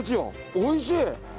おいしい。